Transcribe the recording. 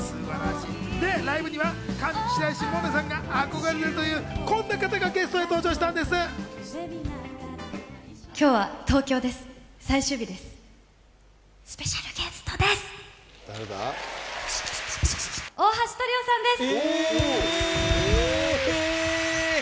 ライブには上白石萌音さんが憧れているというこんな方がゲストで登場したんです。